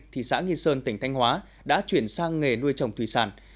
thị xã nghi sơn tỉnh thanh hóa đã chuyển sang nghề nuôi trồng thủy sản